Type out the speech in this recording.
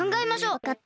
わかった。